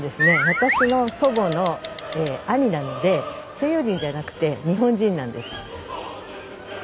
私の祖母の兄なので西洋人じゃなくて日本人なんです。